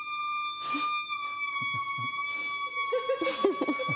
フフフッ。